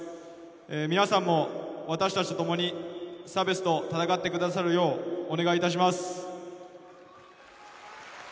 皆さんも私達と共に差別と戦って下さるよう、お願いいたします。